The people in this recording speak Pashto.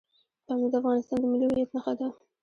پامیر د افغانستان د ملي هویت نښه ده.